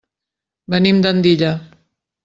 Venim d'Andilla.